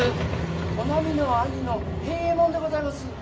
おなみの兄の平右衛門でございます。